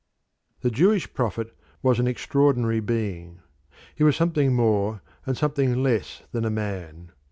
The Jewish prophet was an extraordinary being. He was something more and something less than a man.